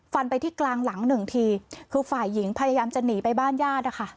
ไปที่กลางหลังหนึ่งทีคือฝ่ายหญิงพยายามจะหนีไปบ้านญาตินะคะ